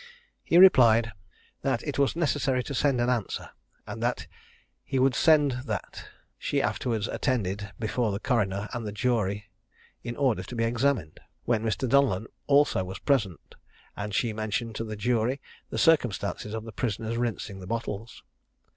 He replied, that "it was necessary to send an answer, and he would send that." She afterwards attended before the coroner and the jury in order to be examined, when Mr. Donellan also was present; and she mentioned to the jury the circumstance of the prisoner's rinsing the bottles.